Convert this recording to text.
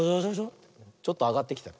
ちょっとあがってきたよ。